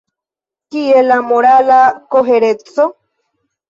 Kie la morala kohereco?